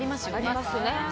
ありますね。